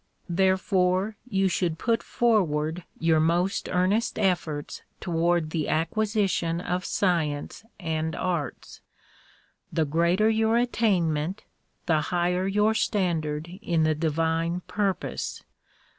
Therefore you should put forward your most earnest efforts toward the acquisition of science and arts. The greater your attainment, the higher your standard in the di vine purpose.